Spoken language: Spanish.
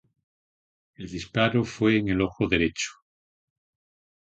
El disparo fue en el ojo derecho.